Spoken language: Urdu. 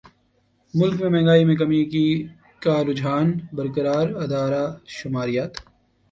ملک میں مہنگائی میں کمی کا رجحان برقرار ادارہ شماریات